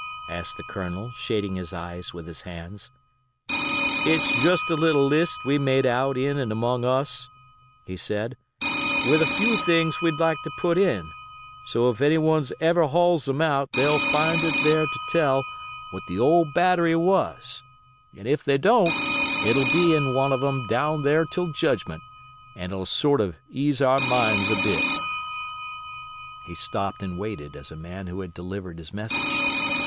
asked the Colonel, shading his eyes with his hands. "It's just a little list we made out in and among us," he said, "with a few things we'd like to put in, so's if anyone ever hauls 'em out they'll find it there to tell what the old battery was, and if they don't, it'll be in one of 'em down thar 'til judgment, an' it'll sort of ease our minds a bit." He stopped and waited as a man who had delivered his message.